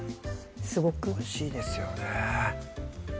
すごくおいしいですよね